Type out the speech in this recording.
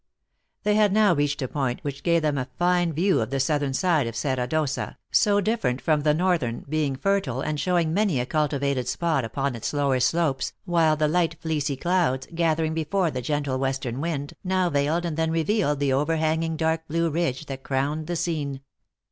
They had now reached a point which gave them a fine view of the southern side of Serra d Ossa, so dif ferent from the northern, being fertile, and showing many a cultivated spot upon its lower slopes, while the light, fleecy clouds, gathering before the gentle western wind, now veiled and then revealed the over hanging dark blue ridge that crowned the scene.